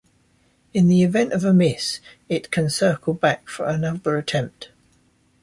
In the event of a miss, it can circle back for another attempt.